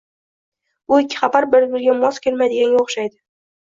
Bu ikki xabar bir -biriga mos kelmaydiganga o'xshaydi